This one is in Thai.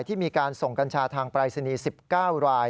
ที่มีการส่งกัญชาทางปรายศนีย์๑๙ราย